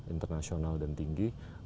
internasional dan tinggi